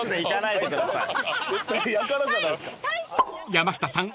［山下さん